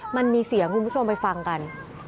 มันมีเสียงคุณผู้ชมไปฟังกัน